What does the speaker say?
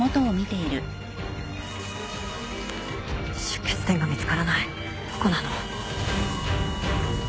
出血点が見つからないどこなの？